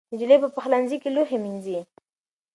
نجلۍ په پخلنځي کې لوښي مینځي.